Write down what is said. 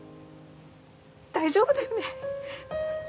大丈夫だよね？